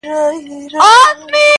نړوم غرونه د تمي، له اوږو د ملایکو.